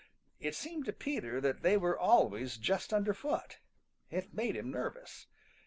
It seemed to Peter that they were always just under foot. It made him nervous.